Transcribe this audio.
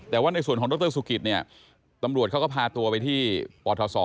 แต่ว่าในส่วนของดรสุกิตเนี่ยตำรวจเขาก็พาตัวไปที่ปทศ